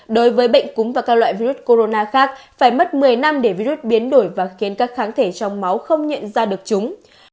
đối với bệnh cúng và các loại virus corona khác phải mất một mươi năm để virus biến đổi và khiến các kháng thể trong máu không nhận ra được chúng